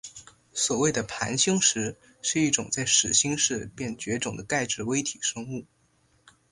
所谓的盘星石是一种在始新世便绝种的钙质微体生物。